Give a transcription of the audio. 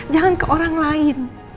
jangan ke orang lain